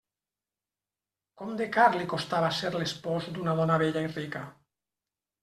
Com de car li costava ser l'espòs d'una dona bella i rica!